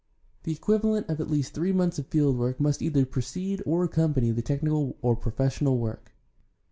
The equivalent of at least three months of field work must either precede or accompany the technical or professional work.